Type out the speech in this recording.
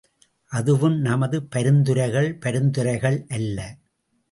அதுவும் நமது பரிந்துரைகள் பரிந்துரைகள் அல்ல!